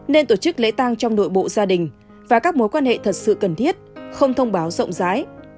nên tổ chức lễ tang trong nội bộ gia đình và các mối quan hệ thật sự cần thiết không thông báo rộng rãi